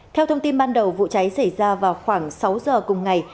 theo thông tin ban đầu vụ cháy xảy ra vào khoảng sáu giờ cùng ngày